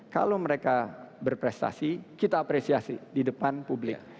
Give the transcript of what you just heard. kalau mereka berprestasi kita apresiasi di depan publik